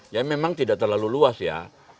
ya memang tidak terlalu luas ya